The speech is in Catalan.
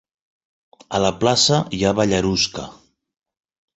A la plaça hi ha ballarusca.